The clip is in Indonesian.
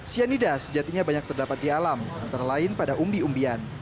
cyanida sejatinya banyak terdapat di alam antara lain pada umbi umbian